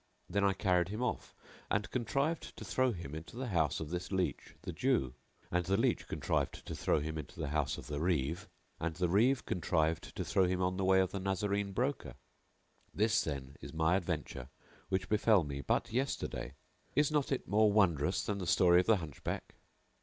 Then I carried him off and contrived to throw him into the house of this leach, the Jew; and the leach contrived to throw him into the house of the Reeve; and the Reeve contrived to throw him on the way of the Nazarene broker. This, then, is my adventure which befell me but yesterday. Is not it more wondrous than the story of the Hunchback?